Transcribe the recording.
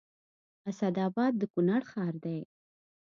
اسداباد د کونړ ښار دی